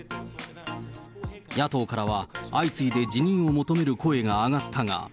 野党からは相次いで辞任を求める声が上がったが。